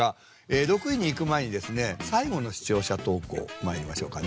６位に行く前にですね最後の視聴者投稿まいりましょうかね。